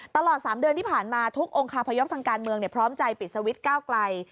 ตลอด๓เดือนที่ผ่านมาทุกองคาพยพทางการเมืองพร้อมใจปิดสวิตช์ก้าวไกล